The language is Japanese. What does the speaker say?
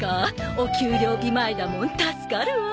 お給料日前だもん助かるわ！